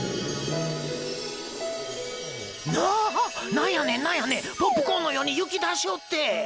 何やねん何やねんポップコーンのように雪出しおって！